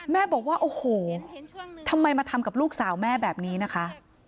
แม่บอกว่าโอ้โหทำไมมาทำกับลูกสาวแม่แบบนี้นะคะ